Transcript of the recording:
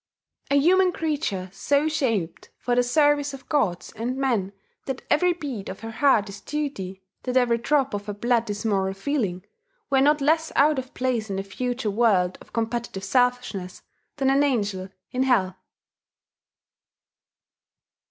A human creature so shaped for the service of gods and men that every beat of her heart is duty, that every drop of her blood is moral feeling, were not less out of place in the future world of competitive selfishness, than an angel in hell.